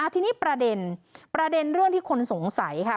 ทีนี้ประเด็นประเด็นเรื่องที่คนสงสัยค่ะ